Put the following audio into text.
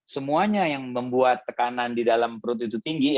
semuanya yang membuat tekanan di dalam perut itu tinggi